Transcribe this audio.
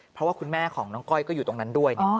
เพราะว่าคุณแม่ของน้องก้อยก็อยู่ตรงนั้นด้วย